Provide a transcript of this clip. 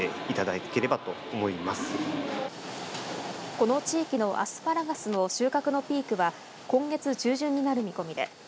この地域のアスパラガスの収穫のピークは今月中旬になる見込みです。